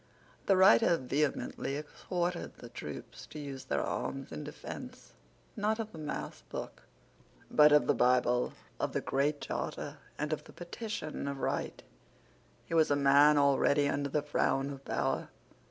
The writer vehemently exhorted the troops to use their arms in defence, not of the mass book, but of the Bible, of the Great Charter, and of the Petition of Right. He was a man already under the frown of power.